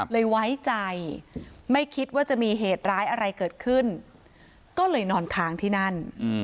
ไว้ใจไม่คิดว่าจะมีเหตุร้ายอะไรเกิดขึ้นก็เลยนอนค้างที่นั่น